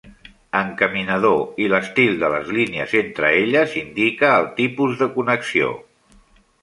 Encaminador, i l'estil de les línies entre elles indica el tipus de connexió.